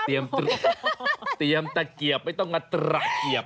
เตรียมตะเกียบไม่ต้องมาตระเกียบ